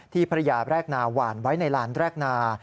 ภรรยาแรกนาหวานไว้ในลานแรกนา